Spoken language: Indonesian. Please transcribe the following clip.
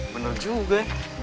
bener juga ya